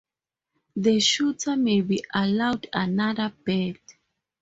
The shooter may be allowed another bird.